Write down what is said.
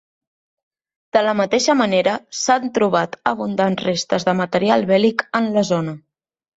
De la mateixa manera, s'han trobat abundants restes de material bèl·lic en la zona.